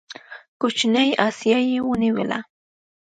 کوچنۍ اسیا یې ونیوله.